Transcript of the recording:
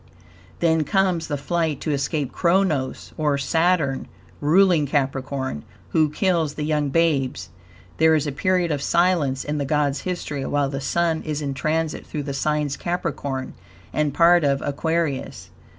Then comes the flight to escape Kronos, or Saturn (ruling Capricorn), who kills the young babes. There is a period of silence in the God's history while the Sun is in transit through the signs Capricorn and part of Aquarius.